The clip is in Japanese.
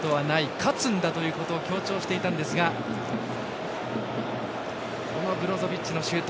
勝つんだということを強調していたんですがブロゾビッチのシュート